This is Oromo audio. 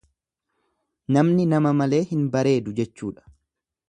Namni nama malee hin bareedu jechuudha.